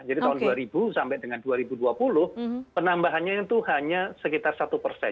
jadi tahun dua ribu sampai dengan dua ribu dua puluh penambahannya itu hanya sekitar satu persen